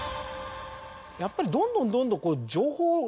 やっぱりどんどんどんどん。